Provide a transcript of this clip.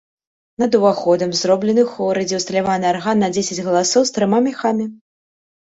Над уваходам зроблены хоры, дзе ўсталяваны арган на дзесяць галасоў з трыма мяхамі.